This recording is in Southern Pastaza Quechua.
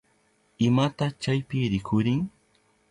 ¿Imata chaypi rikurin?